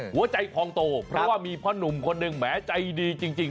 หัวใจพองโตเพราะว่ามีพ่อหนุ่มคนหนึ่งแหมใจดีจริง